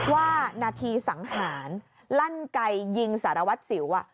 ว่านาทีสังหารลั่นไกยิงสารวัตรสิว